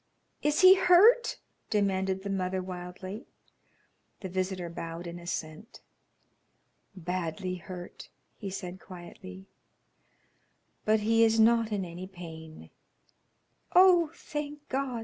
"Is he hurt?" demanded the mother, wildly. The visitor bowed in assent. "Badly hurt," he said, quietly, "but he is not in any pain." "Oh, thank God!"